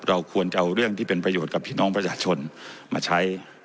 เราควรจะเอาเรื่องที่เป็นประโยชน์กับพี่น้องประชาชนมาใช้